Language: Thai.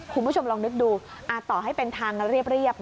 คุณผู้ชมลองนึกดูต่อให้เป็นทางเรียบ